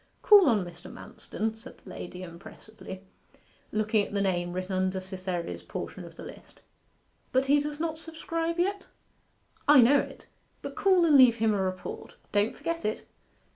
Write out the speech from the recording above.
'Call on Mr. Manston,' said the lady impressively, looking at the name written under Cytherea's portion of the list. 'But he does not subscribe yet?' 'I know it; but call and leave him a report. Don't forget it.